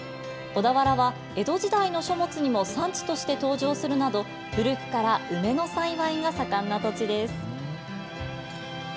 小田原は江戸時代の書物にも産地として登場するなど古くから梅の栽培が盛んな土地です。